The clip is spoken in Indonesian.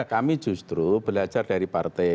kami justru belajar dari partai